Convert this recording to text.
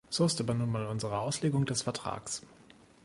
So ist aber nun mal unsere Auslegung des Vertrags.